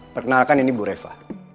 perkenalkan ini bu reva